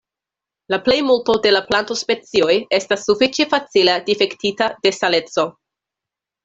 La plejmulto de la plantospecioj estas sufiĉe facile difektita de saleco.